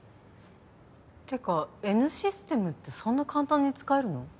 てかＮシステムってそんな簡単に使えるの？